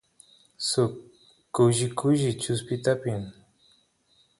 suk kushi kushi chuspita apin